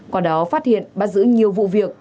quả đó phát hiện bắt giữ nhiều vụ việc